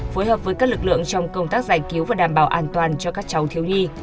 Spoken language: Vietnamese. phối hợp với các lực lượng trong công tác giải cứu và đảm bảo an toàn cho các cháu thiếu nhi